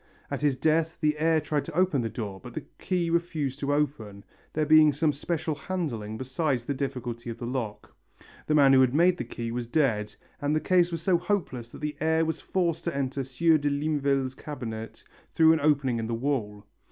At his death the heir tried to open the door but the key refused to open, there being some special handling beside the difficulty of the lock. The man who had made the key was dead and the case was so hopeless that the heir was forced to enter Sieur de Limeville's cabinet through an opening in the wall.